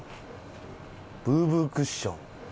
ブーブークッション。